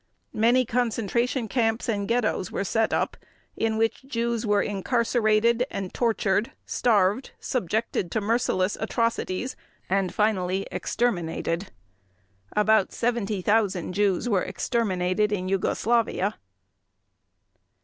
Many concentration camps and ghettos were set up in which Jews were incarcerated and tortured, starved, subjected to merciless atrocities, and finally exterminated. About 70,000 Jews were exterminated in Yugoslavia.